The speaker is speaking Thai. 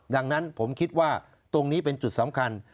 ดังนั้นผมคิดว่าตรงนี้เป็นจุดสำคัญ